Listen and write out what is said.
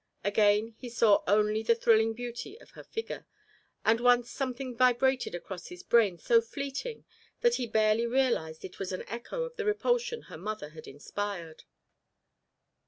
Again, he saw only the thrilling beauty of her figure, and once something vibrated across his brain so fleeting that he barely realised it was an echo of the repulsion her mother had inspired.